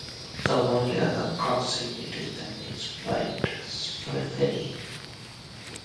The only other crossing between them is White's Ferry.